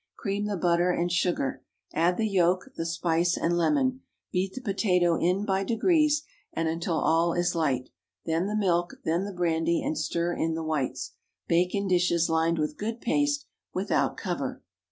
Cream the butter and sugar; add the yolk, the spice, and lemon; beat the potato in by degrees and until all is light; then the milk, then the brandy, and stir in the whites. Bake in dishes lined with good paste—without cover.